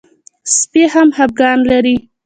سپي هم خپګان لري.